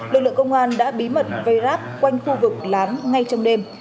lực lượng công an đã bí mật vây ráp quanh khu vực lán ngay trong đêm